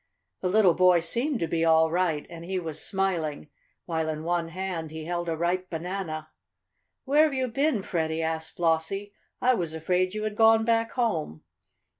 The little boy seemed to be all right, and he was smiling, while in one hand he held a ripe banana. "Where've you been, Freddie?" asked Flossie. "I was afraid you had gone back home."